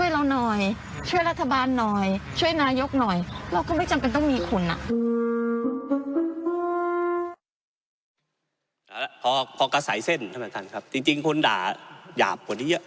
ท่านประธานครับจริงจริงคนด่าหยาบกว่านี้อ่ะ